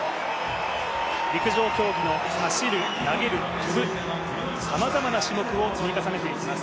陸上競技の走る・跳ぶ・投げる、さまざまな種目を積み重ねていきます。